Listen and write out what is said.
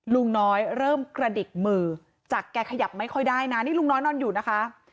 ลุงน้อยเริ่มกระดิกมือจากแกขยับไม่ค่อยได้นะนี่ลุงน้อยนอนอยู่นะคะ